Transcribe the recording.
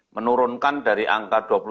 menurunkan dari angka dua puluh tujuh